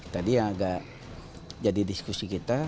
tadi yang agak jadi diskusi kita